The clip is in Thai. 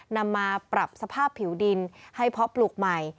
นำมาปรับสภาพผิวดินให้เพาะปลูกใหม่